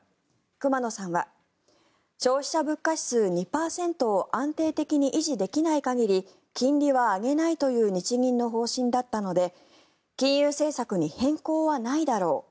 熊野さんは消費者物価指数２％を安定的に維持できない限り金利は上げないという日銀の方針だったので金融政策に変更はないだろう。